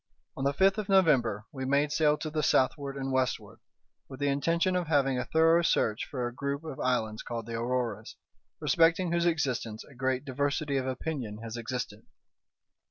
On the fifth of November we made sail to the southward and westward, with the intention of having a thorough search for a group of islands called the Auroras, respecting whose existence a great diversity of opinion has existed.